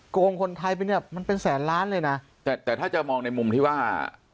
โกงคนไทยไปเนี่ยมันเป็นแสนล้านเลยนะแต่แต่ถ้าจะมองในมุมที่ว่า